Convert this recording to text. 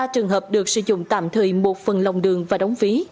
ba trường hợp được sử dụng tạm thời một phần lòng đường và đóng phí